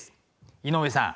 井上さん。